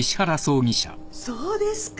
そうですか。